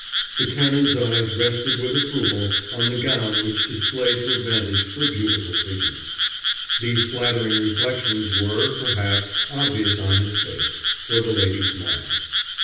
The Canon's eyes rested with approval on the gown which displayed to advantage her beautiful figure. These flattering reflections were, perhaps, obvious on his face, for the lady smiled.